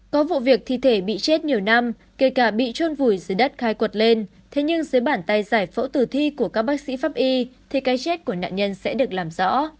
có vụ việc thi thể bị chết nhiều năm kể cả bị trôn vùi dưới đất khai quật lên thế nhưng dưới bàn tay giải phẫu tử thi của các bác sĩ pháp y thì cái chết của nạn nhân sẽ được làm rõ